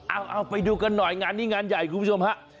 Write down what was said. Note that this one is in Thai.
เอาไปดูกันหน่อยงานนี้งานใหญ่คุณผู้ชมฮะ